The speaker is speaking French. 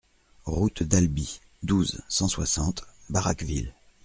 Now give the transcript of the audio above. Route d'Albi, douze, cent soixante Baraqueville